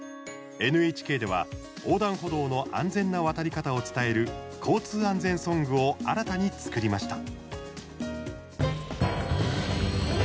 ＮＨＫでは横断歩道の安全な渡り方を伝える交通安全ソングを新たに作りました。